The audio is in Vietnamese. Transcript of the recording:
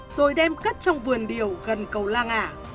rồi đem cất trong vườn điều gần cầu la ngả